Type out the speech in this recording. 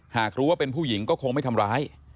หากรู้ว่าเป็นผู้หญิงก็คงไม่ทำร้าย